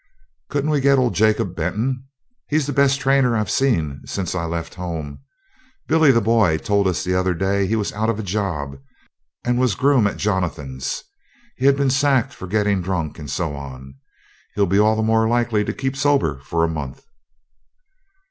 'Couldn't we get old Jacob Benton; he's the best trainer I've seen since I left home? Billy the Boy told us the other day he was out of a job, and was groom at Jonathan's; had been sacked for getting drunk, and so on. He'll be all the more likely to keep sober for a month.'